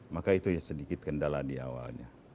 maka itu sedikit kendala di awalnya